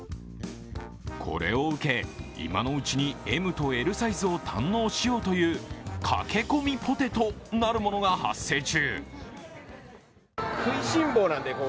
これを受け、今のうちにＭとＬサイズを堪能しようという駆け込みポテトなるものが発生中。